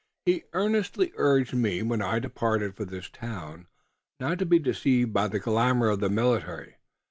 He earnestly urged me, when I departed for this town, not to be deceived by the glamour of the military.